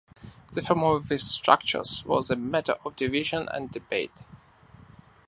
The form of these structures was a matter of division and debate.